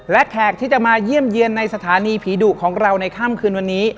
และแขกที่จะมาเยี่ยมเยี่ยมในสถานีผีดุของเราในค่ำคืนวันนี้